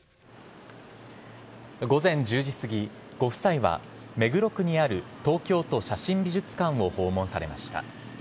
午前１０時過ぎ、ご夫妻は目黒区にある東京都写真美術館を訪問されました。